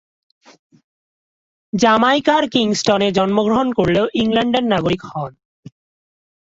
জামাইকার কিংস্টনে জন্মগ্রহণ করলেও ইংল্যান্ডের নাগরিক হন।